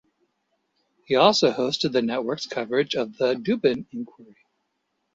He also hosted the network's coverage of the Dubin Inquiry.